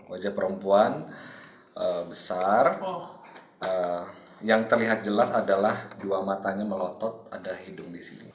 wajah perempuan besar yang terlihat jelas adalah dua matanya melotot ada hidung di sini